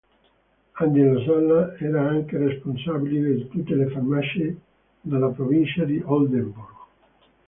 Angelo Sala era anche responsabile di tutte le farmacie della provincia di Oldenburg.